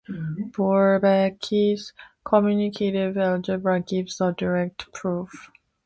Bourbaki's "Commutative Algebra" gives a direct proof.